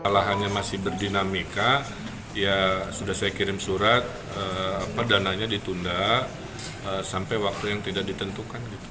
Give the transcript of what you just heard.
lahannya masih berdinamika ya sudah saya kirim surat dananya ditunda sampai waktu yang tidak ditentukan